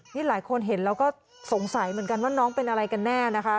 นี่หลายคนเห็นแล้วก็สงสัยเหมือนกันว่าน้องเป็นอะไรกันแน่นะคะ